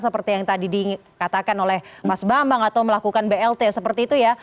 seperti yang tadi dikatakan oleh mas bambang atau melakukan blt seperti itu ya